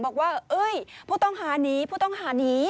บอกว่าผู้ต้องหาหนีผู้ต้องหาหนี